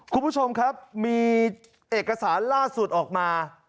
คุณผู้ชมครับมีเอกสารล่าสุดออกมา